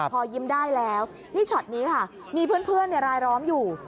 พอยิ้มได้แล้วนี่ช็อตนี้ค่ะมีเพื่อนรายล้อมอยู่